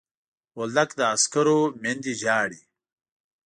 بولدک د عسکرو میندې ژاړي.